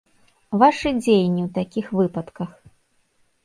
Вашы дзеянні ў такіх выпадках?